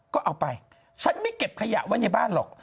ก็เอาไปฉันไม่เก็บขยะไว้ในบ้านหรอก